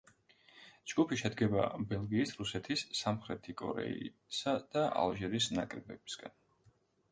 ჯგუფი შედგება, ბელგიის, რუსეთის, სამხრეთი კორეისა და ალჟირის ნაკრებებისგან.